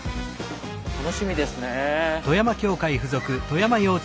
楽しみですね。